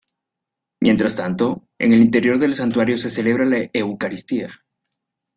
Mientras tanto, en el interior del santuario se celebra la Eucaristía.